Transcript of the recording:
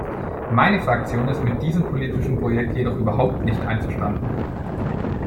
Meine Fraktion ist mit diesem politischen Projekt jedoch überhaupt nicht einverstanden.